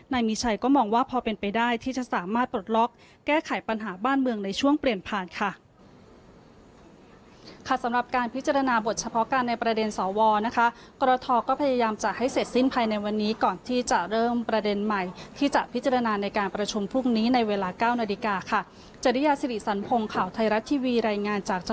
นายมีชัยก็มองว่าพอเป็นไปได้ที่จะสามารถปลดล็อกแก้ไขปัญหาบ้านเมืองในช่วงเปลี่ยนผ่านค่ะ